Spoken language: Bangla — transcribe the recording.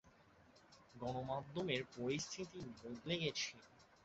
গণমাধ্যমের পরিস্থিতি বদলে গেছে।